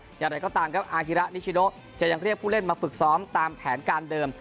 อย่างไรก็ตามครับอาฮิระนิชิโดจะยังเรียกผู้เล่นมาฝึกซ้อมตามแผนการเดิม